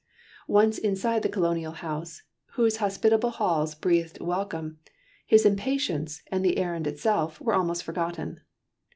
Once inside the colonial house, whose hospitable halls breathed welcome, his impatience, and the errand itself, were almost forgotten.